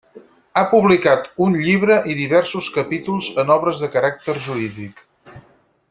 Ha publicat un llibre i diversos capítols en obres de caràcter jurídic.